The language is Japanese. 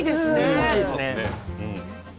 大きいですね。